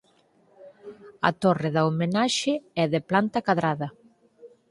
A torre da homenaxe é de planta cadrada.